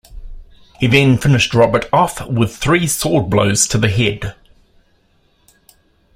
He then finished Robert off with three sword blows to the head.